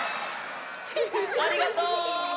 ありがとう！